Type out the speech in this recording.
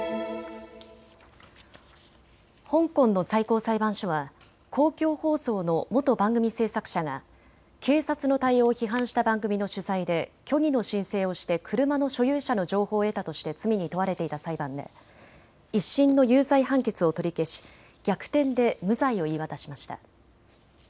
香港の最高裁判所は公共放送の元番組制作者が警察の対応を批判した番組の取材で虚偽の申請をして車の所有者の情報を得たとして罪に問われていた裁判で１審の有罪判決を取り消し逆転で無罪を言い渡しました。